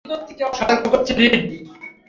সতর্ক করছি, রীড!